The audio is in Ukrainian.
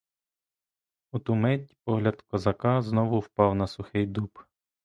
У ту мить погляд козака знову впав на сухий дуб.